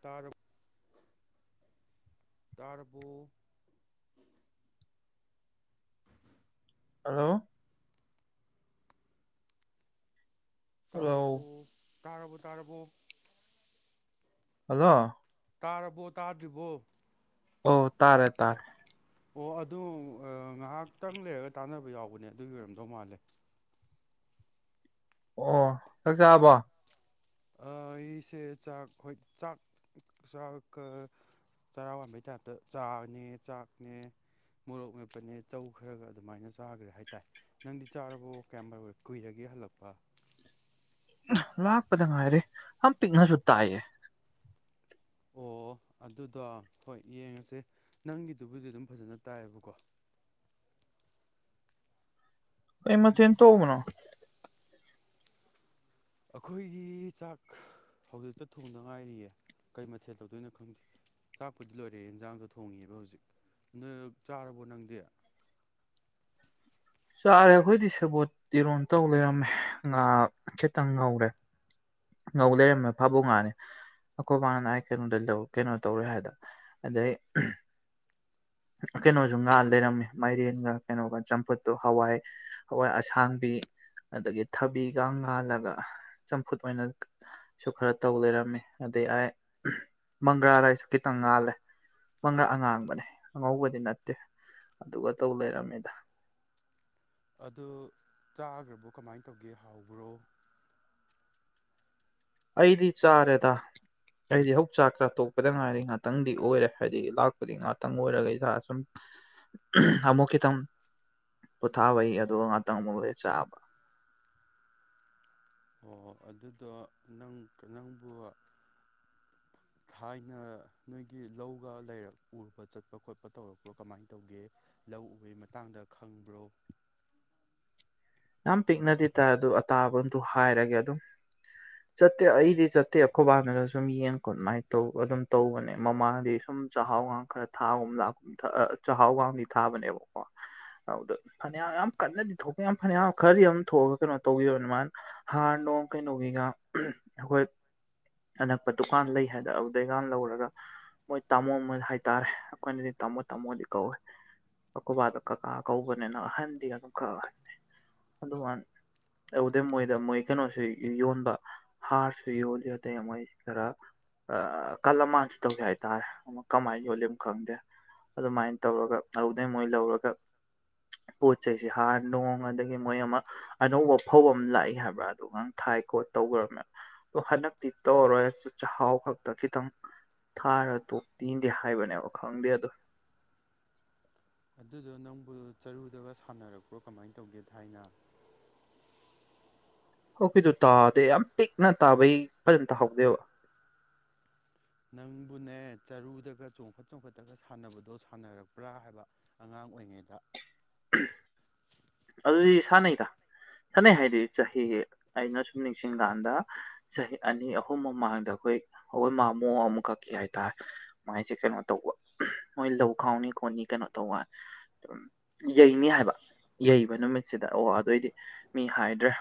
ꯇꯔ ꯇꯥꯔꯕꯣ ꯍꯜꯂꯣ ꯇꯥꯔꯕꯣ ꯍꯜꯂꯣ ꯇꯥꯔꯕꯣ ꯇꯥꯔꯕꯣ ꯍꯜꯂꯣ ꯇꯥꯔꯕꯣ ꯇꯥꯗ꯭ꯔꯤꯕꯣ ꯑꯣ ꯇꯥꯔꯦ ꯇꯥꯔꯦ ꯑꯣ ꯑꯗꯨ ꯉꯥꯏꯍꯥꯛꯇꯪ ꯂꯩꯔꯒ ꯇꯥꯟꯅꯕ ꯌꯥꯎꯕꯅꯦ ꯑꯗꯨꯒꯤ ꯑꯣꯏꯔꯝꯗꯧ ꯃꯥꯜꯂꯦ ꯑꯣ ꯆꯥꯛ ꯆꯥꯕꯣ ꯑꯩꯁꯦ ꯆꯥꯛ ꯍ ꯆꯥꯛ ꯆꯥꯛ ꯆꯔꯥ ꯋꯥꯟꯕꯩ ꯇꯥꯏꯞꯇ ꯆꯥꯅꯦ ꯆꯥꯛꯅꯦ ꯃꯣꯔꯣꯛ ꯃꯦꯞꯄꯅꯦ ꯆꯧ ꯈꯔꯒ ꯑꯗꯨꯃꯥꯏꯅ ꯆꯥꯈ꯭ꯔꯦ ꯍꯥꯏꯇꯥꯏ ꯅꯪꯗꯤ ꯆꯥꯔꯕꯣ ꯀꯌꯥꯝꯃꯨ ꯀꯨꯏꯔꯒꯦ ꯍꯜꯂꯛꯄ ꯂꯥꯛꯄꯗ ꯉꯥꯏꯔꯦ ꯌꯥꯝ ꯄꯤꯛꯅꯁꯨ ꯇꯥꯏꯌꯦ ꯑꯣ ꯑꯗꯨꯗꯣ ꯍꯣꯏ ꯌꯦꯡꯉꯁꯦ ꯅꯪꯒꯤꯗꯨꯕꯨꯗꯤ ꯑꯗꯨꯝ ꯐꯖꯅ ꯇꯥꯏꯌꯦꯕꯀꯣ ꯀꯩ ꯃꯊꯦꯜ ꯇꯧꯕꯅꯣ ꯑꯩꯈꯣꯏꯒꯤ ꯆꯥꯛ ꯍꯧꯖꯤꯛꯇ ꯊꯣꯡꯗ ꯉꯥꯏꯔꯤꯌꯦ ꯀꯩ ꯃꯊꯦꯜ ꯇꯧꯗꯣꯏꯅꯣ ꯈꯪꯗꯦ ꯆꯥꯛꯄꯨꯗꯤ ꯂꯣꯏꯔꯦ ꯌꯦꯟꯖꯥꯡꯗꯣ ꯊꯣꯡꯉꯦꯕ ꯍꯧꯖꯤꯛ ꯅ ꯆꯥꯔꯕꯣ ꯅꯪꯗꯤ ꯆꯥꯔꯦ ꯑꯩꯈꯣꯏꯗꯤ ꯁꯦꯕꯣꯠ ꯏꯔꯣꯝ ꯇꯧ ꯂꯩꯔꯝꯃꯦ ꯉꯥ ꯈꯤꯇꯪ ꯉꯧꯔꯦ ꯉꯧ ꯂꯩꯔꯝꯃꯦ ꯐꯥꯕꯧ ꯉꯥꯅꯤ ꯑꯩꯈꯣꯏ ꯃꯥꯅ ꯑꯩ ꯀꯩꯅꯣꯗ ꯀꯩꯅꯣ ꯇꯧꯔꯦ ꯍꯥꯏꯗ ꯑꯗꯩ ꯀꯩꯅꯣꯁꯨ ꯉꯥꯜ ꯂꯩꯔꯝꯃꯦ ꯃꯥꯏꯔꯦꯟꯒ ꯀꯩꯅꯣꯒ ꯆꯝꯐꯨꯠꯇꯨ ꯍꯋꯥꯏ ꯍꯋꯥꯏ ꯑꯁꯥꯡꯕꯤ ꯑꯗꯒꯤ ꯊꯕꯤꯒ ꯉꯥꯜꯂꯒ ꯆꯝꯐꯨꯠ ꯑꯣꯏꯅ ꯁꯨ ꯈꯔ ꯇꯧ ꯂꯩꯔꯝꯃꯤ ꯑꯗꯩ ꯑꯩ ꯃꯪꯒ꯭ꯔꯥꯗꯁꯨ ꯈꯤꯇꯪ ꯉꯥꯜꯂꯦ ꯄꯪꯒ ꯑꯉꯥꯡꯕꯅꯦ ꯑꯉꯧꯕꯗꯤ ꯅꯠꯇꯦ ꯑꯗꯨꯒ ꯇꯧ ꯂꯩꯔꯝꯃꯤꯗ ꯑꯗꯨ ꯆꯥꯈ꯭ꯔꯕꯣ ꯀꯃꯥꯏꯅ ꯇꯧꯒꯦ ꯍꯥꯎꯕ꯭ꯔꯣ ꯑꯩꯗꯤ ꯆꯥꯔꯦꯗ ꯑꯩꯗꯤ ꯍꯧꯖꯤꯛ ꯆꯥꯛ ꯆꯥ ꯇꯣꯛꯄꯗ ꯉꯥꯏꯔꯤ ꯉꯥꯛꯇꯪꯗꯤ ꯑꯣꯏꯔꯦ ꯍꯥꯏꯗꯤ ꯂꯥꯛꯄꯗꯤ ꯉꯥꯛꯇꯪ ꯑꯣꯏꯔꯒ ꯏꯁꯥ ꯁꯨꯝ ꯑꯃꯨꯛ ꯈꯤꯇꯪ ꯄꯣꯊꯥꯕꯩ ꯑꯗ ꯉꯥꯛꯇꯪ ꯑꯃꯨꯛ ꯂꯩ ꯆꯥꯕ ꯑꯣ ꯑꯗꯨꯗꯣ ꯅꯪ ꯅꯪꯕꯨ [unintelligible] ꯊꯥꯏꯅ ꯅꯣꯏꯒꯤ ꯂꯧꯒ ꯂꯩꯔꯛ ꯎꯔꯨꯕ ꯆꯠꯄ ꯈꯣꯠꯄ ꯇꯧꯔꯛꯄ꯭ꯔꯣ ꯀꯃꯥꯏꯅ ꯇꯧꯒꯦ ꯂꯧ ꯎꯕꯒꯤ ꯃꯇꯥꯡꯗ ꯈꯪꯕ꯭ꯔꯣ ꯌꯥꯝ ꯄꯤꯛꯅꯗꯦ ꯇꯥꯏ ꯑꯗꯨ ꯑꯇꯥꯕꯗꯨ ꯍꯥꯏꯔꯒꯦ ꯑꯗꯨꯝ ꯆꯠꯇꯦ ꯑꯩꯗꯤ ꯆꯠꯇꯦ ꯑꯩꯈꯣꯏꯕꯥꯗ ꯁꯨꯝ ꯌꯦꯟ ꯀꯣꯠꯃꯥꯏꯅ ꯇꯧꯕ ꯑꯗꯨꯝ ꯇꯧꯕꯅꯦ ꯃꯃꯥꯡꯗꯤ ꯁꯨꯝ ꯆꯥꯛꯍꯥꯎ ꯈꯔ ꯊꯥꯒꯨꯝ ꯂꯥꯛꯀꯨꯝ ꯆꯥꯛꯍꯥꯎꯋꯥꯡꯕꯤ ꯊꯥꯕꯅꯦꯕꯀꯣ ꯑꯗꯨꯗ ꯐꯅꯌꯥꯝ ꯌꯥꯝ ꯀꯟꯅꯗꯤ ꯊꯣꯛꯄ ꯌꯥꯝ ꯐꯅꯌꯥꯝ ꯈꯔꯗꯤ ꯑꯃ ꯊꯣꯛꯑꯒ ꯀꯩꯅꯣ ꯇꯧꯈꯤꯕꯔꯣ ꯑꯗꯨꯃꯥꯏꯅ ꯍꯥꯔ ꯅꯨꯡ ꯀꯩꯅꯣꯒꯤꯒ ꯑꯩꯈꯣꯏ ꯑꯅꯛꯄ ꯗꯨꯀꯥꯟ ꯂꯩ ꯍꯥꯏꯗ ꯑꯗꯨꯗꯩꯉꯥꯜ ꯂꯧꯔꯒ ꯃꯣꯏ ꯇꯥꯃꯣ ꯃꯣꯢꯅ ꯍꯥꯏꯇꯥꯔꯦ ꯑꯩꯈꯣꯏꯅꯗꯤ ꯇꯥꯃꯣ ꯇꯥꯃꯣꯗꯤ ꯀꯧꯌꯦ ꯈꯣꯢꯕꯥꯗꯣ ꯀꯀꯥ ꯀꯧꯕꯅꯤꯅ ꯑꯍꯟꯗꯤ ꯑꯗꯨ ꯈ ꯑꯗꯩ ꯃꯣꯏꯗ ꯃꯣꯏ ꯀꯩꯅꯣꯁꯨ ꯌꯣꯟꯕ ꯍꯥꯔꯁꯨ ꯌꯣꯜꯂꯤ ꯑꯗꯩ ꯃꯣꯢ ꯈꯔ ꯀꯜꯂꯝꯃꯥꯟꯁꯨ ꯇꯧꯗꯦ ꯍꯥꯏꯇꯥꯔꯦ ꯑꯃꯨꯛ ꯀꯃꯥꯏꯅ ꯌꯣꯜꯂꯤꯅꯣ ꯈꯪꯗꯦ ꯑꯗꯨꯃꯥꯏ ꯇꯧꯔꯒ ꯑꯗꯨꯗꯩ ꯃꯣꯏ ꯂꯧꯔꯒ ꯄꯣꯠ ꯆꯩꯁꯦ ꯍꯥꯔ ꯅꯨꯡ ꯃꯗꯒꯤ ꯃꯣꯏ ꯑꯃ ꯑꯅꯧꯕ ꯐꯧ ꯑꯃ ꯂꯥꯛꯏ ꯍꯥꯏꯕ꯭ꯔꯥ ꯑꯗꯨꯒꯥꯡ ꯊꯥꯏ ꯈꯣꯠ ꯇꯧꯒ꯭ꯔꯕꯅꯦ ꯑꯗꯣ ꯍꯟꯗꯛꯇꯤ ꯇꯧꯔꯔꯣꯏ ꯆꯥꯍꯥꯎ ꯈꯛꯇ ꯈꯤꯇꯪ ꯊꯥꯔꯒ ꯇꯣꯛꯅꯤꯗꯤ ꯍꯥꯏꯕꯅꯦꯕ ꯈꯪꯗꯦ ꯑꯗꯣ ꯑꯗꯨꯗꯣ ꯅꯪꯕꯨ ꯆꯔꯨꯗꯒ ꯁꯥꯟꯅꯔꯛꯄ꯭ꯔꯣ ꯀꯃꯥꯏ ꯇꯧꯒꯦ ꯊꯥꯏꯅ ꯍꯣꯄꯤꯗꯨ ꯇꯥꯗꯦ ꯌꯥꯝ ꯄꯤꯛꯅ ꯇꯥꯕꯩ ꯐꯖꯅ ꯇꯥꯍꯧꯗꯦꯕ ꯅꯪꯕꯨꯅꯦ ꯆꯔꯨꯗꯒ ꯆꯣꯡꯈꯠ ꯆꯣꯡꯈꯠꯇꯒ ꯁꯥꯟꯅꯕꯗꯣ ꯁꯥꯟꯅꯔꯛꯄ꯭ꯔꯥ ꯍꯥꯏꯕ ꯑꯉꯥꯡ ꯑꯣꯏꯉꯩꯗ [inaudible] ꯑꯗꯨꯗꯤ ꯁꯥꯟꯅꯩꯗ ꯁꯥꯟꯅꯩ ꯍꯥꯏꯗꯤ ꯆꯍꯤ ꯑꯩꯅ ꯁꯨꯝ ꯅꯤꯡꯁꯤꯡꯀꯥꯟꯗ ꯆꯍꯤ ꯑꯅꯤ ꯑꯍꯨꯝ ꯃꯃꯥꯡꯗ ꯑꯩꯈꯣꯏ ꯑꯩꯈꯣꯏ ꯃꯃꯣ ꯑꯃ ꯈꯛꯀꯤ ꯍꯥꯏꯇꯥꯔꯦ ꯃꯥꯏꯁꯦ ꯀꯩꯅꯣ ꯇꯧꯕ ꯃꯣꯏ ꯂꯧ ꯈꯥꯎꯅꯤ ꯈꯣꯠꯅꯤ ꯀꯩꯅꯣ ꯇꯧꯕꯒꯥꯟ ꯎꯝ ꯌꯩꯅꯤ ꯍꯥꯏꯕ ꯌꯩꯕ ꯅꯨꯃꯤꯠꯁꯤꯗ ꯑꯣ ꯑꯗꯣꯏꯗꯤ ꯃꯤ ꯍꯥꯏꯗ꯭ꯔꯦ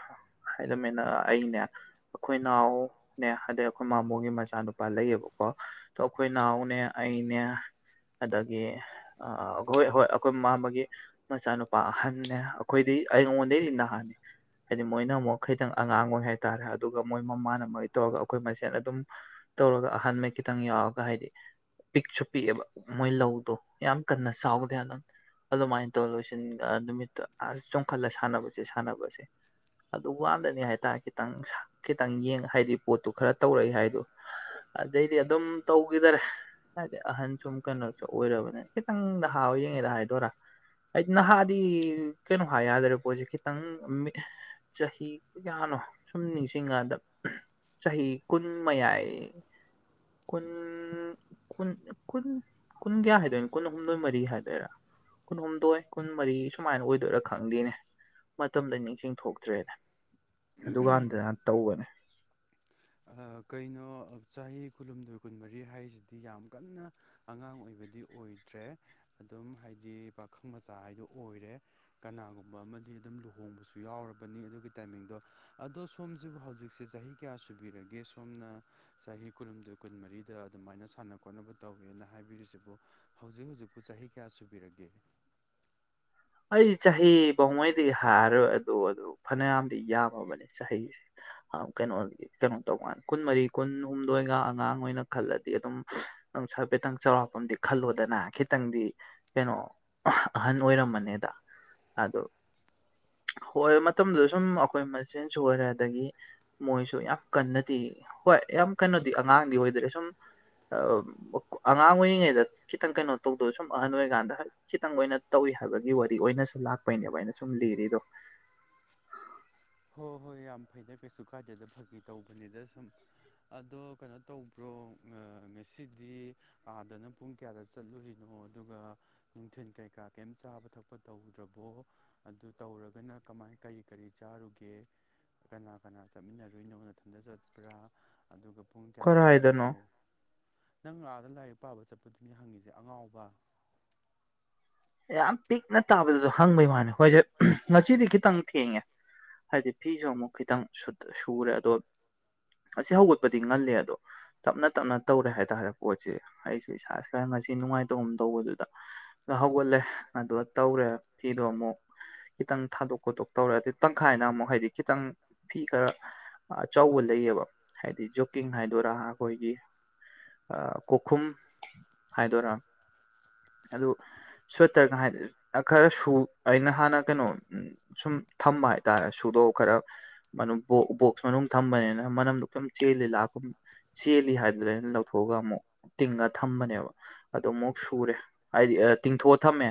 ꯍꯥꯏꯔꯝꯃꯦꯅ ꯑꯩꯅꯦ ꯑꯈꯣꯏꯅꯥꯎꯅꯦ ꯑꯗꯩ ꯑꯩꯈꯣꯏ ꯃꯃꯣꯒꯤ ꯃꯆꯥꯅꯨꯄꯥ ꯂꯩꯌꯦꯕꯀꯣ ꯇꯣ ꯑꯩꯈꯣꯏꯅꯥꯎꯅꯦ ꯑꯩꯅꯦ ꯑꯗꯒꯤ ꯑ ꯑꯈꯣꯏ ꯍꯣꯏ ꯑꯩꯈꯣꯏꯃꯥꯝꯃꯒꯤ ꯃꯆꯥꯅꯨꯄꯥ ꯑꯍꯟ ꯅꯦ ꯑꯩꯈꯣꯏꯗꯩꯒꯤ ꯑꯩꯉꯣꯟꯗꯩꯗꯤ ꯅꯍꯥꯅꯤ ꯍꯥꯏꯗꯤ ꯃꯣꯏꯅ ꯑꯃꯨꯛ ꯈꯤꯇꯪ ꯑꯉꯥꯡ ꯑꯣꯏ ꯍꯥꯏꯇꯥꯔꯦ ꯑꯗꯨꯒ ꯃꯣꯏ ꯃꯃꯥꯅ ꯃꯣꯏ ꯇꯧꯔꯒ ꯑꯩꯈꯣꯏ ꯃꯁꯦꯟ ꯑꯗꯨꯝ ꯇꯧꯔꯒ ꯑꯍꯥꯟꯃꯩ ꯈꯤꯇꯪ ꯌꯥꯎꯔꯒ ꯍꯥꯏꯗꯤ ꯄꯤꯛꯁꯨ ꯄꯤꯛꯑꯦꯕ ꯃꯣꯏ ꯂꯧꯗꯣ ꯌꯥꯝ ꯀꯟꯅ ꯆꯥꯎꯕꯗꯤ ꯅꯠ ꯑꯗꯨꯃꯥꯏ ꯇꯧꯔ ꯂꯣꯏꯁꯤꯟ ꯑ ꯅꯨꯃꯤꯠꯇꯣ ꯑ ꯆꯣꯡꯈꯠꯂ ꯁꯥꯟꯅꯕꯁꯦ ꯁꯥꯟꯅꯕꯁꯦ ꯑꯗꯨ ꯋꯥꯟꯗꯅꯤ ꯍꯥꯏꯇꯥꯔꯦ ꯈꯤꯇꯪ ꯈꯤꯇꯪ ꯌꯦꯡ ꯍꯥꯏꯗꯤ ꯄꯣꯠꯇꯨ ꯈꯔ ꯇꯧꯔꯛꯏ ꯍꯥꯏꯗꯣ ꯑꯗꯩꯗꯤ ꯑꯗꯨꯝ ꯇꯧꯒꯤꯗꯔꯦ ꯍꯥꯏꯗꯤ ꯑꯍꯟ ꯁꯨꯝ ꯀꯩꯅꯣꯁꯨ ꯑꯣꯏꯔꯕꯅꯤ ꯈꯤꯇꯪ ꯅꯍꯥ ꯑꯣꯏꯔꯤꯉꯩꯗ ꯍꯥꯏꯗꯣꯏꯔꯥ ꯍꯥꯏꯗꯤ ꯅꯍꯥꯗꯤ ꯀꯩꯅꯣ ꯍꯥꯏ ꯌꯥꯗ꯭ꯔꯦ ꯄꯣꯠꯁꯦ ꯈꯤꯇꯪ ꯆꯍꯤ ꯀꯌꯥꯅꯣ ꯁꯨꯝ ꯅꯤꯡꯁꯤꯡꯉꯀꯥꯟꯗ ꯆꯍꯤ ꯀꯨꯟ ꯃꯌꯥꯏ ꯀꯨꯟ ꯀꯨꯟ ꯀꯨꯟ ꯀꯨꯟ ꯀꯌꯥ ꯍꯥꯏꯗꯣꯏꯅꯣ ꯀꯨꯟ ꯍꯨꯝꯗꯣꯏ ꯃꯔꯤ ꯍꯥꯏꯗꯣꯏꯔꯥ ꯀꯨꯟꯍꯨꯝꯗꯣꯏ ꯀꯨꯟꯃꯔꯤ ꯁꯨꯃꯥꯏꯅ ꯑꯣꯏ ꯑꯗꯨꯔ ꯈꯪꯗꯦꯅꯦ ꯃꯇꯝꯗ ꯅꯤꯡꯁꯤꯡ ꯊꯣꯛꯇ꯭ꯔꯦꯅꯦ ꯑꯗꯨꯀꯥꯟꯗꯅ ꯇꯧꯕꯅꯦ ꯑ ꯀꯩꯅꯣ ꯆꯍꯤ ꯀꯨꯟꯍꯨꯝꯗꯣꯏ ꯀꯨꯟꯃꯔꯤ ꯍꯥꯏꯔꯤꯁꯤꯗꯤ ꯌꯥꯝ ꯀꯟꯅ ꯑꯉꯥꯡ ꯑꯣꯏꯕꯗꯤ ꯑꯣꯏꯗ꯭ꯔꯦ ꯑꯗꯨꯝ ꯍꯥꯏꯗꯤ ꯄꯥꯈꯪ ꯃꯆꯥ ꯍꯥꯏꯗꯣ ꯑꯣꯏꯔꯦ ꯀꯅꯥꯒꯨꯝꯕ ꯑꯃꯗꯤ ꯑꯗꯨꯝ ꯂꯨꯍꯣꯡꯕꯁꯨ ꯌꯥꯎꯔꯕꯅꯤ ꯑꯗꯨꯒꯤ ꯇꯥꯏꯃꯤꯡꯗꯣ ꯑꯗꯣ ꯁꯣꯝꯁꯤꯕꯨ ꯍꯧꯖꯤꯛꯁꯦ ꯆꯍꯤ ꯀꯌꯥ ꯁꯨꯕꯤꯔꯒꯦ ꯁꯣꯝꯅ ꯆꯍꯤ ꯀꯨꯟꯍꯨꯝꯗꯣꯏ ꯀꯨꯟꯃꯔꯤꯗ ꯑꯗꯨꯃꯥꯏꯅ ꯁꯥꯟꯅ ꯈꯣꯠꯅꯕ ꯇꯧꯒ꯭ꯔꯦꯅ ꯍꯥꯏꯕꯤꯔꯤꯁꯤꯕꯨ ꯍꯧꯖꯤꯛ ꯍꯧꯖꯤꯛꯄꯨ ꯆꯍꯤ ꯀꯌꯥ ꯁꯨꯕꯤꯔꯒꯦ ꯑꯩ ꯆꯍꯤ ꯄꯥꯎꯃꯩꯗꯒꯤ ꯍꯥꯔꯔꯣꯏ ꯑꯗꯨ ꯑꯗꯨ ꯐꯅꯌꯥꯝꯗꯤ ꯌꯥꯝꯃꯕꯅꯤ ꯆꯍꯤꯁꯦ ꯑꯝ ꯀꯩꯅꯣꯗꯗꯤ ꯀꯩꯅꯣꯇꯧꯒꯥꯟꯗ ꯀꯨꯟ ꯃꯔꯤ ꯀꯨꯟꯍꯨꯝꯗꯣꯏꯒ ꯑꯉꯥꯡ ꯑꯣꯏꯅ ꯈꯜꯂꯗꯤ ꯑꯗꯨꯝ ꯅꯨꯡꯁꯨ ꯍꯥꯏꯐꯦꯠꯇꯪ ꯆꯧꯔꯥꯛꯄꯝꯗꯤ ꯈꯜꯂꯣꯗꯅ ꯈꯤꯇꯪꯗꯤ ꯀꯩꯅꯣ ꯑꯍꯟ ꯑꯣꯏꯔꯝꯃꯅꯦꯗ ꯑꯗꯨ ꯍꯣꯏ ꯃꯇꯝꯗꯨꯗ ꯁꯨꯝ ꯑꯈꯣꯏ ꯃꯁꯦꯟꯁꯨ ꯑꯣꯏꯔꯦ ꯑꯗꯒꯤ ꯃꯣꯏꯁꯨ ꯌꯥꯝ ꯀꯟꯅꯗꯤ ꯍꯣꯏ ꯌꯥꯝ ꯀꯟꯅꯗꯤ ꯑꯉꯥꯡꯗꯤ ꯑꯣꯏꯗ꯭ꯔꯦ ꯁꯨꯝ ꯑꯉꯥꯡ ꯑꯣꯏꯔꯤꯉꯩꯗ ꯈꯤꯇꯪ ꯀꯩꯅꯣ ꯇꯧꯗꯣꯏ ꯁꯨꯝ ꯑꯍꯟ ꯑꯣꯏꯔꯤꯀꯥꯟꯗ ꯈꯤꯇꯪ ꯑꯣꯏꯅ ꯇꯧꯏ ꯍꯥꯏꯕꯒꯤ ꯋꯥꯔꯤ ꯄꯤ ꯑꯣꯏꯅꯁꯨ ꯂꯥꯛꯄꯩꯅꯦꯕ ꯑꯩꯅ ꯁꯨꯝ ꯂꯤꯔꯤꯗꯣ ꯍꯣꯏ ꯍꯣꯏ ꯌꯥꯝ ꯐꯩꯗ ꯀꯩꯁꯨ ꯀꯥꯏꯗꯦꯗ ꯐꯥꯒꯤ ꯇꯧꯕꯅꯤꯗ ꯁꯨꯝ ꯑꯗꯣ ꯀꯩꯅꯣ ꯇꯧꯕ꯭ꯔꯣ ꯉ ꯉꯁꯤꯗꯤ ꯑꯥꯗꯅ ꯄꯨꯡ ꯀꯌꯥꯗ ꯆꯠꯂꯨꯔꯤꯅꯣ ꯑꯗꯨꯒ ꯅꯨꯡꯊꯤꯟ ꯀꯩꯀꯥ ꯀꯩꯝ ꯆꯥꯕ ꯊꯛꯄ ꯇꯧꯗ꯭ꯔꯕꯣ ꯑꯗꯨ ꯇꯧꯔꯒꯅ ꯀꯃꯥꯏ ꯀꯔꯤ ꯀꯔꯤ ꯆꯥꯔꯨꯒꯦ ꯑꯦ ꯀꯅꯥ ꯀꯅꯥ ꯆꯠꯃꯤꯟꯅꯔꯨꯏꯅꯣ ꯃꯊꯟꯇ ꯆꯠꯄ꯭ꯔꯥ ꯑꯗꯨꯒ ꯄꯨꯡ ꯀꯌꯥꯗ ꯀꯔꯥꯏꯗꯅꯣ ꯍꯜꯂꯛꯏꯅꯣ ꯅꯪ ꯑꯥꯛꯗ ꯂꯥꯏꯔꯤꯛ ꯄꯥꯕ ꯆꯠꯄꯗꯨꯅꯤ ꯍꯪꯉꯤꯁꯦ ꯑꯉꯥꯎꯕ ꯌꯥꯝ ꯄꯤꯛꯅ ꯇꯥꯕꯗꯨꯁꯨ ꯍꯪꯕꯩ ꯋꯥꯅꯤ ꯍꯣꯏꯁꯦ ꯉꯁꯤꯗꯤ ꯈꯤꯇꯪ ꯊꯦꯡꯉꯦ ꯍꯥꯏꯗꯤ ꯐꯤꯁꯨ ꯑꯃꯨꯛ ꯈꯤꯇꯪ ꯁꯨꯔꯦ ꯑꯗꯣ ꯉꯥꯁꯤ ꯍꯧꯒꯠꯄꯗꯤ ꯉꯜꯂꯦ ꯑꯗꯣ ꯇꯞꯅ ꯇꯞꯅ ꯇꯧꯔꯦ ꯍꯥꯏꯇꯥꯔꯦ ꯄꯣꯠꯁꯤ ꯑꯩꯁꯨ ꯏꯁꯥ ꯏꯁ ꯉꯁꯤ ꯅꯨꯡꯉꯥꯏꯇꯧ ꯇꯧꯕꯗꯨꯗ ꯅ ꯍꯧꯒꯠꯂꯦ ꯑꯗꯨꯒ ꯇꯧꯔꯦ ꯐꯤꯗꯣ ꯑꯃꯨꯛ ꯈꯤꯇꯪ ꯊꯥꯗꯣꯛ ꯈꯣꯠꯇꯣꯛ ꯇꯧꯔꯦ ꯑꯗꯨ ꯇꯪꯈꯥꯏꯅ ꯑꯃꯨꯛ ꯍꯥꯏꯗꯤ ꯈꯤꯇꯪ ꯐꯤ ꯈꯔ ꯑꯆꯧꯕ ꯂꯩꯌꯦꯕ ꯍꯥꯏꯗꯤ ꯖꯣꯛꯀꯤꯡ ꯍꯥꯏꯗꯣꯏꯔꯥ ꯑꯩꯈꯣꯏꯒꯤ ꯀꯣꯛꯈꯨꯝ ꯍꯥꯏꯗꯣꯏꯔꯥ ꯑꯗꯨ ꯁ꯭ꯋꯦꯇꯔ ꯉꯍꯥꯏ ꯈꯔ ꯁꯨ ꯑꯩꯅ ꯍꯥꯟꯅ ꯀꯩꯅꯣ ꯁꯨꯝ ꯊꯝꯕ ꯍꯥꯏꯇꯥꯔꯦ ꯁꯨꯗꯣꯛ ꯈꯔ ꯕꯣꯛꯁ ꯃꯅꯨꯡ ꯊꯝꯕꯅꯤꯅ ꯃꯅꯝꯗꯣ ꯀꯩꯝ ꯆꯦꯜꯂꯤ ꯂꯥꯛꯀꯨꯝ ꯆꯦꯜꯂꯤ ꯍꯥꯏꯗꯨꯅ ꯑꯩꯅ ꯂꯧꯊꯣꯛꯑꯒ ꯑꯃꯨꯛ ꯇꯤꯡꯉ ꯊꯝꯕꯅꯦꯕ ꯑ ꯑꯃꯨꯛ ꯁꯨꯔꯦ ꯍꯥꯏꯗꯤ ꯇꯤꯡꯊꯣꯛꯑ ꯊꯝꯃꯦ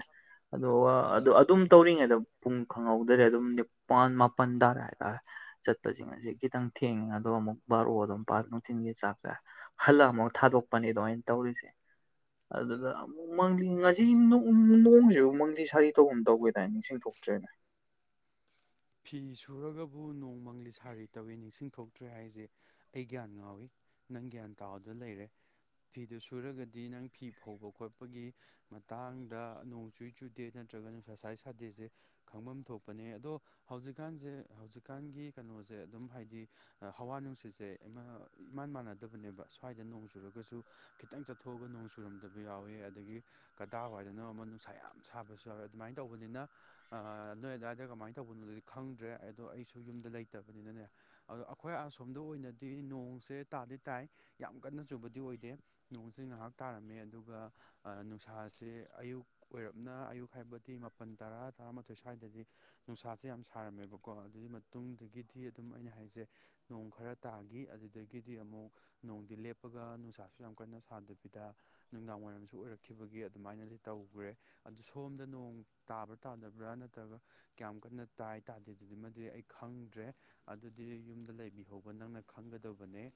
ꯑꯗꯨꯒ ꯑꯗꯨ ꯑꯗꯨꯝ ꯇꯧꯔꯤꯉꯩꯗ ꯄꯨꯡ ꯈꯪꯍꯧꯗ꯭ꯔꯦ ꯑꯗꯨꯝ [unintelligible] ꯆꯠꯄꯁꯤꯡ ꯑꯁꯤ ꯈꯤꯇꯪ ꯊꯦꯡꯉꯤ ꯑꯗꯣ ꯑꯃꯨꯛ ꯕꯥꯔꯨ ꯑꯗꯨꯝ ꯄꯥ ꯅꯨꯡꯊꯤꯟꯒꯤ ꯆꯥꯛꯁꯦ ꯍꯜꯂꯛ ꯑꯃꯨꯛ ꯊꯥꯗꯣꯛꯄꯅꯤ ꯑꯗꯨꯃꯥꯏꯅ ꯇꯧꯔꯤꯁꯦ ꯑꯗꯨꯗ ꯑꯃꯨꯛ ꯃꯪꯗꯤ ꯁꯤ ꯅꯣꯡꯁꯤꯕꯨ ꯃꯪꯗꯤ ꯁꯥꯔꯤ ꯇꯧꯒꯨꯝ ꯇꯧꯒꯤꯗꯥꯅ ꯅꯤꯡꯁꯤꯡ ꯊꯣꯛꯇ꯭ꯔꯦꯅꯦ ꯐꯤ ꯁꯨꯔꯒꯕꯨ ꯅꯣꯡ ꯃꯪꯂꯤ ꯁꯥꯔꯤ ꯇꯧꯏꯤ ꯅꯤꯡꯁꯤꯡ ꯊꯣꯛꯇ꯭ꯔꯦ ꯍꯥꯏꯁꯦ ꯑꯩ ꯒ꯭ꯌꯥꯟ ꯉꯥꯎꯏꯤ ꯅꯪ ꯒ꯭ꯌꯥꯟ ꯇꯥꯎꯗ ꯂꯩꯔꯦ ꯐꯤꯗꯨ ꯁꯨꯔꯒꯗꯤ ꯅꯪ ꯐꯤ ꯐꯧꯕ ꯈꯣꯠꯄꯒꯤ ꯃꯇꯥꯡꯗ ꯅꯣꯡ ꯆꯨꯏ ꯆꯨꯗꯦ ꯅꯠꯇ꯭ꯔꯒꯅ ꯑꯦꯛꯁ ꯁꯥꯏ ꯁꯥꯗꯦꯁꯦ ꯈꯪꯐꯝ ꯊꯣꯛꯄꯅꯦ ꯑꯗꯣ ꯍꯧꯖꯤꯛꯀꯥꯟꯁꯦ ꯍꯧꯖꯤꯛꯀꯥꯟꯒꯤ ꯀꯩꯅꯣꯁꯦ ꯑꯗꯨꯝ ꯍꯥꯏꯗꯤ ꯍꯋꯥ ꯅꯨꯡꯁꯤꯠꯁꯦ ꯏꯃꯥꯟ ꯃꯥꯟꯅꯗꯕꯅꯦꯕ ꯁ꯭ꯋꯥꯏꯗ ꯅꯣꯡ ꯆꯨꯔꯒ ꯨ ꯈꯤꯇꯪ ꯆꯠꯊꯣꯛꯑꯒ ꯅꯣꯡ ꯈꯨꯔꯝꯗꯕ ꯌꯥꯎꯋꯤ ꯑꯗꯒꯤ ꯀꯗꯥ ꯋꯥꯏꯗꯅꯣ ꯑꯃ ꯅꯨꯡꯁꯥ ꯌꯥꯝ ꯁꯥꯕꯁꯨ ꯌꯥꯎꯋꯤ ꯑꯗꯨꯃꯥꯏꯅ ꯇꯧꯕꯅꯤꯅ ꯅꯣꯏ ꯑꯗꯨꯋꯥꯏꯗ ꯀꯃꯥꯏꯅ ꯇꯧꯕꯅꯣꯗꯨꯗꯤ ꯈꯪꯗ꯭ꯔꯦ ꯑꯗꯣ ꯑꯩꯁꯨ ꯌꯨꯝꯗ ꯂꯩꯇꯕꯅꯤꯅꯅꯦ ꯑꯗꯣ ꯑꯩꯈꯣꯏ ꯑꯁꯣꯝꯗ ꯑꯣꯏꯅꯗꯤ ꯅꯣꯡꯁꯦ ꯇꯥꯗꯤ ꯇꯥꯏ ꯌꯥꯝ ꯀꯟꯅ ꯆꯨꯕꯗꯤ ꯑꯣꯏꯗꯦ ꯅꯣꯡꯁꯤ ꯉꯥꯏꯍꯥꯛ ꯇꯥꯔꯝꯃꯦ ꯑꯗꯨꯒ ꯅꯨꯡꯁꯥꯥꯁꯦ ꯑꯌꯨꯛ ꯑꯣꯏꯔꯞꯅ ꯑꯌꯨꯛ ꯍꯥꯏꯕꯗꯤ ꯃꯥꯄꯜ ꯇꯔꯥ ꯇꯔꯥꯃꯥꯊꯣꯏ ꯁ꯭ꯋꯥꯏꯗꯗꯤ ꯅꯨꯡꯁꯥꯁꯦ ꯌꯥꯝ ꯁꯥꯔꯝꯃꯦꯕꯀꯣ ꯑꯗꯨꯒꯤ ꯃꯇꯨꯡꯗꯒꯤꯗꯤ ꯑꯗꯨꯝ ꯑꯩꯅ ꯍꯥꯏꯁꯦ ꯅꯣꯡ ꯈꯔ ꯇꯥꯈꯤ ꯑꯗꯨꯗꯒꯤꯗꯤ ꯑꯃꯨꯛ ꯅꯣꯡꯗꯤ ꯂꯦꯞꯄꯒ ꯅꯨꯡꯁꯥꯁꯨ ꯌꯥꯝ ꯀꯟꯅ ꯁꯥꯗꯕꯤꯗ ꯅꯨꯡꯗꯥꯡ ꯋꯥꯏꯔꯝꯁꯨ ꯑꯣꯏꯔꯛꯈꯤꯕꯒꯤ ꯑꯗꯨꯃꯥꯏꯅꯗꯤ ꯇꯧꯈ꯭ꯔꯦ ꯑꯗꯨ ꯁꯣꯝꯗ ꯅꯣꯡ ꯇꯥꯕ꯭ꯔꯥ ꯇꯥꯗꯕ꯭ꯔꯥ ꯅꯠꯇ꯭ꯔꯒ ꯀꯌꯥꯝ ꯀꯟꯅ ꯇꯥꯏꯠ ꯇꯥꯗꯦ ꯑꯗꯨꯗꯤ ꯃꯗꯤ ꯑꯩ ꯈꯪꯗ꯭ꯔꯦ ꯑꯗꯨꯗꯤ ꯌꯨꯝꯗ ꯂꯩꯕꯤꯍꯧꯕ ꯅꯪꯅ ꯈꯪꯒꯗꯕꯅꯦ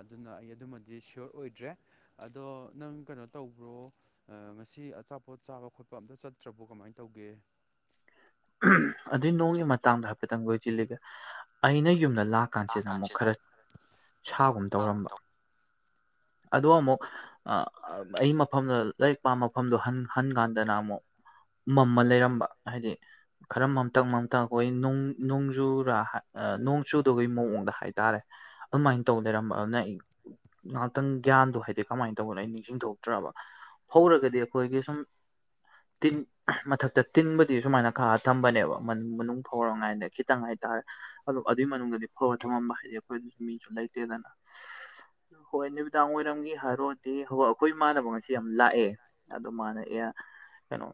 ꯑꯗꯨꯅ ꯑꯩ ꯑꯗꯨꯃꯗꯤ ꯁꯤꯌꯣꯔ ꯑꯣꯏꯗ꯭ꯔꯦ ꯑꯗꯣ ꯅꯪ ꯀꯩꯅꯣ ꯇꯧꯕ꯭ꯔꯣ ꯉꯁꯤ ꯑꯆꯥꯄꯣꯠ ꯆꯥꯕ ꯈꯣꯠꯄ ꯑꯝꯇ ꯆꯠꯇ꯭ꯔꯕꯣ ꯀꯃꯥꯏꯅ ꯇꯧꯒꯦ ꯑꯗꯨꯏ ꯅꯣꯡꯒꯤ ꯃꯇꯥꯡꯗ ꯍꯥꯏꯐꯦꯠꯇꯪ ꯂꯣꯏꯁꯤꯜꯂꯤꯒꯦ ꯑꯩꯅ ꯌꯨꯝꯗ ꯂꯥꯛ ꯀꯥꯟꯁꯤꯗ ꯑꯃꯨꯛ ꯈꯔ ꯁꯥꯒꯨꯝ ꯇꯧꯔꯝꯕ ꯑꯗꯣ ꯑꯃꯨꯛ ꯑꯩ ꯃꯐꯝꯗꯣ ꯂꯥꯏꯔꯤꯛ ꯄꯥꯝꯕ ꯃꯐꯝꯗꯣ ꯍꯟ ꯀꯥꯟꯗꯅ ꯑꯃꯨꯛ ꯃꯝꯃ ꯂꯩꯔꯝꯕ ꯍꯥꯏꯗꯤ ꯈꯔ ꯃꯝꯇꯪ ꯃꯝꯇꯪ ꯑꯩꯈꯣꯏ ꯅꯣꯡꯖꯨꯔꯥ ꯅꯣꯡꯖꯨꯗꯒꯤ ꯃꯑꯣꯡꯗ ꯍꯥꯏꯇꯥꯔꯦ ꯑꯗꯨꯃꯥꯏꯅ ꯇꯧ ꯂꯩꯔꯝꯕ ꯑꯗꯨꯅ ꯉꯍꯥꯛꯇꯪ ꯒ꯭ꯌꯥꯟꯗꯣ ꯍꯥꯏꯗꯤ ꯀꯃꯥꯏꯅ ꯇꯧꯕꯅ ꯑꯩ ꯅꯤꯡꯁꯤꯡꯊꯣꯛꯇ꯭ꯔꯕ ꯍꯧꯔꯒꯗꯤ ꯑꯩꯈꯣꯏꯒꯤ ꯁꯨꯝ ꯇꯤꯟ ꯃꯊꯛꯇ ꯇꯤꯟꯕꯗꯤ ꯁꯨꯃꯥꯏꯅ ꯈꯥ ꯊꯝꯕꯅꯦꯕ ꯃꯅꯨꯡ ꯐꯥꯎꯔꯝꯉꯥꯏꯗ ꯈꯤꯇꯪ ꯍꯥꯏꯇꯥꯔꯦ ꯑꯣ ꯑꯗꯨꯏ ꯃꯅꯨꯡꯗꯗꯤ ꯐꯧꯔ ꯊꯝꯃꯝꯕ ꯍꯥꯏꯗꯤ ꯑꯈꯣꯏꯗꯁꯨ ꯃꯤꯁꯨ ꯂꯩꯇꯦꯗꯅ ꯍꯣꯏ ꯅꯨꯃꯤꯗꯥꯡ ꯋꯥꯏꯔꯝꯒꯤ ꯍꯥꯏꯔꯣꯗꯤ ꯍꯣ ꯑꯈꯣꯏ ꯃꯥꯟꯅꯕ ꯁꯤ ꯌꯥꯝ ꯂꯥꯛꯑꯦ ꯑꯗꯨ ꯃꯥꯅ ꯑꯦ ꯀꯩꯅꯣ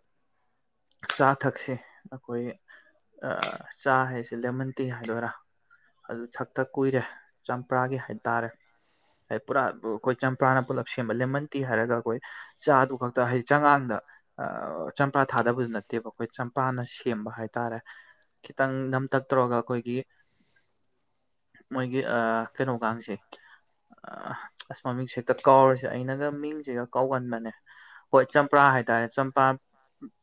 ꯆꯥ ꯊꯛꯁꯦ ꯑꯈꯣꯏ ꯆꯥ ꯍꯥꯏꯁꯦ ꯂꯦꯃꯟ ꯇꯤ ꯍꯥꯏꯗꯣꯏꯔꯥ ꯑꯗꯨ ꯊꯛꯇ ꯀꯨꯏꯔꯦ ꯆꯝꯄ꯭ꯔꯥꯒꯤ ꯍꯥꯏꯇꯥꯔꯦ ꯍꯥꯏ ꯄꯨꯔꯥ ꯑꯈꯣꯏ ꯆꯝꯄ꯭ꯔꯥꯅ ꯄꯨꯂꯞ ꯁꯦꯝꯕ ꯂꯦꯃꯟ ꯇꯤ ꯍꯥꯏꯔꯒ ꯑꯈꯣꯏ ꯆꯥꯗꯨ ꯈꯛꯇ ꯍꯥꯏꯗꯤ ꯆꯉꯥꯡꯗ ꯑ ꯆꯝꯄ꯭ꯔꯥ ꯊꯥꯗꯕꯗꯨ ꯅꯠꯇꯦꯕ ꯑꯈꯣꯏ ꯄꯥꯥꯅ ꯁꯦꯝꯕ ꯍꯥꯏꯇꯥꯔꯦ ꯈꯤꯇꯪ ꯅꯝꯇꯛ ꯇꯧꯔꯒ ꯑꯈꯣꯏꯒꯤ ꯃꯣꯏꯒꯤ ꯀꯩꯅꯣ ꯒꯁꯦ ꯑ ꯃꯃꯤꯛꯁꯦ ꯍꯦꯛꯇ ꯀꯥꯎꯔꯤꯁꯦ ꯑꯩꯅꯒ ꯃꯤꯡꯁꯦꯒ ꯀꯥꯎꯒꯟꯕꯅꯦ ꯍꯣꯏ ꯆꯝꯄ꯭ꯔꯥ ꯍꯥꯏꯇꯥꯔꯦ ꯆꯝꯄ꯭ꯔꯥ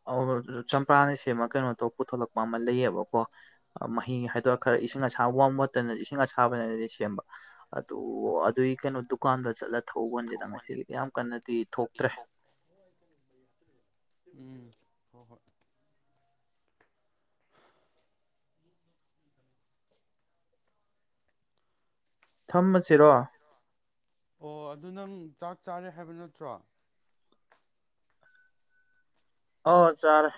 [unintelligible] ꯆꯝ ꯄꯥꯅ ꯁꯦꯝꯃ ꯀꯩꯅꯣ ꯇꯧ ꯄꯨꯊꯣꯂꯛꯄ ꯑꯃ ꯂꯩꯌꯦꯕꯀꯣ ꯃꯍꯤ ꯍꯥꯏꯗꯣꯛꯈ꯭ꯔ ꯏꯁꯤꯡ ꯑꯁꯥꯕ ꯋꯥꯝ ꯋꯥꯇꯔꯅ ꯏꯁꯤꯡ ꯑꯁꯥꯕꯅꯗꯤ ꯁꯦꯝꯕ ꯑꯗꯨ ꯑꯗꯨꯒꯤ ꯀꯩꯅꯣ ꯗꯨꯀꯥꯟꯗ ꯆꯠꯂ ꯊꯧꯕꯣꯅꯤꯗ ꯉꯁꯤꯒꯤꯗꯤ ꯌꯥꯝ ꯀꯟꯅꯗꯤ ꯊꯣꯛꯇ꯭ꯔꯦ ꯎꯝ ꯍꯣꯏ ꯍꯣꯏ ꯊꯝꯃꯁꯤꯔꯣ ꯑꯣ ꯑꯗꯨ ꯅꯪ ꯆꯥꯛ ꯆꯥꯔꯦ ꯍꯥꯏꯕ ꯅꯠꯇ꯭ꯔꯣ ꯑꯣ ꯆꯥꯔꯦ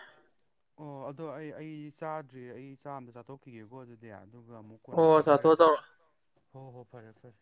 ꯑꯣ ꯑꯗꯣ ꯑꯩ ꯑꯩ ꯆꯥꯗ꯭ꯔꯤ ꯑꯩ ꯆꯥꯛ ꯑꯝꯇ ꯆꯥꯊꯣꯛꯈꯤꯒꯦꯀꯣ ꯑꯗꯨꯗꯤ ꯑꯗꯨꯒ ꯑꯃꯨꯛ ꯀꯣꯟꯅ ꯑꯣ ꯆꯥꯊꯣꯛ ꯐꯥꯎꯅꯔꯁꯦ ꯇꯧꯔꯣ ꯍꯣ ꯍꯣꯏ ꯐꯔꯦ ꯐꯔꯦ